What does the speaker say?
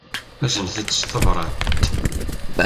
Aznet-tt s tebṛat.